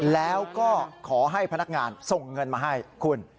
แล้วก็ขอให้พนักงานส่งเงินมาให้คุณ